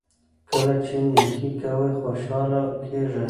کله چې نیکي کوئ خوشحاله کیږئ.